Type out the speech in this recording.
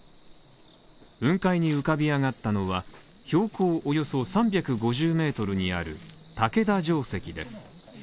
雲海に浮かび上がったのは、標高およそ３５０ｍにある竹田城跡です。